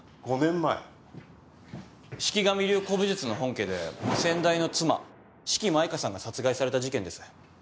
四鬼神流古武術の本家で先代の妻四鬼舞歌さんが殺害された事件です。